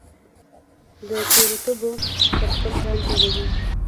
دتورو تبو پرخپل ځان تیروي